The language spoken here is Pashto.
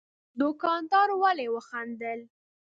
دوکاندار ولي وخندل؟